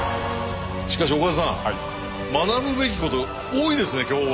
しかし岡田さん学ぶべきこと多いですね今日は。